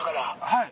はい